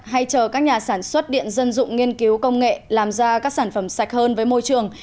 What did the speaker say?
hay chờ các nhà sản xuất điện dân dụng nghiên cứu công nghệ làm ra các sản phẩm sạch hơn với môi trường